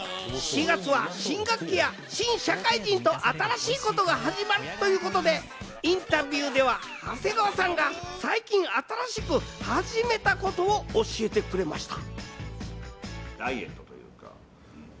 ４月は新学期や新社会人と新しいことが始まるということで、インタビューでは長谷川さんが最近、新しく始めたことを教えてくれました。